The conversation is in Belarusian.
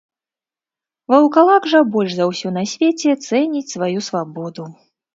Ваўкалак жа больш за ўсё на свеце цэніць сваю свабоду.